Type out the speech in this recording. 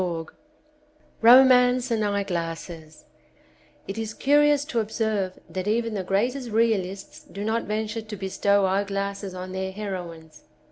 219 Romance and Eyeglasses IT is curious to observe that even the greatest reaUsts do not venture to bestow eyeglasses on their heroines.